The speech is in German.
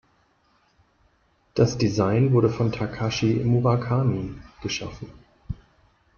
Das Design wurde von Takashi Murakami geschaffen.